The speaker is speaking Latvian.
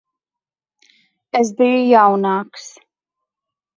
Es biju jaunāks.